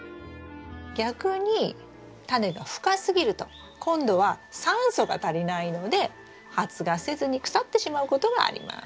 逆にタネが深すぎると今度は酸素が足りないので発芽せずに腐ってしまうことがあります。